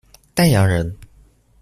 丹阳人。